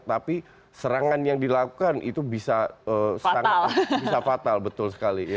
tapi serangan yang dilakukan itu bisa fatal betul sekali